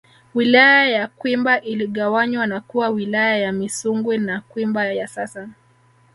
Wilaya ya Kwimba iligawanywa na kuwa Wilaya ya Misungwi na Kwimba ya sasa